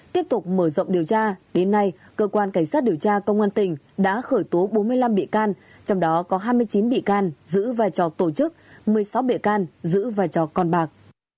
tiếp tục mở rộng điều tra đến nay cơ quan cảnh sát điều tra công an tỉnh đã khởi tố bốn mươi năm bị can trong đó có hai mươi chín bị can giữ vai trò tổ chức một mươi sáu bị can giữ vai trò con bạc